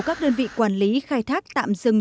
các đơn vị quản lý khai thác tạm dừng